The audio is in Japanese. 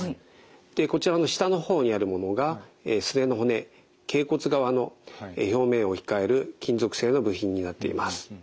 でこちらの下の方にあるものがすねの骨けい骨側の表面を置き換える金属製の部品になっています。